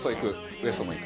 ウエストも行く。